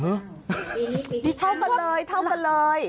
นี่เท่ากันเลยเท่ากันเลย